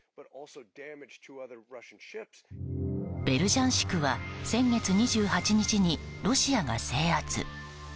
ベルジャンシクは先月２８日にロシアが制圧。